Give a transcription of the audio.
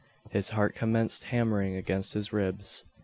His heart commenced hammering against his ribs.